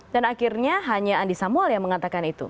dan akhirnya hanya andi samuel yang mengatakan itu